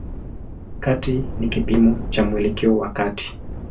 Kati ni kipimo cha mwelekeo wa kati.